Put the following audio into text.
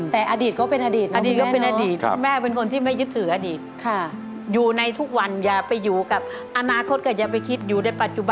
แต่อดีตก็เป็นอดีตเนอะคุณแม่เนอะครับ